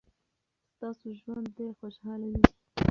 ستاسو ژوند دې خوشحاله وي.